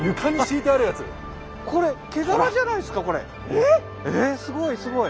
ええ⁉えっすごいすごい。